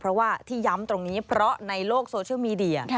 เพราะว่าที่ย้ำตรงนี้เพราะในโลกโซเชียลมีเดีย